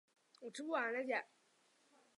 白毛子楝树为桃金娘科子楝树属下的一个种。